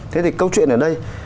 thế thì câu chuyện ở đây